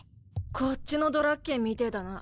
こっちのドラッケンみてぇだな。